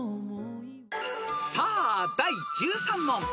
［さあ第１３問］